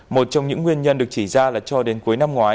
một trong những nguyên nhân được chỉ ra là cho đến cuối năm ngoái